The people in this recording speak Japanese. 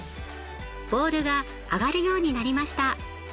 ボールが上がるようになりました。